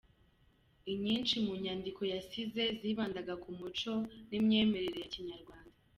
Inyinshi mu nyandiko yasize zibandaga ku muco n'imyemerere ya Kinyarwanda.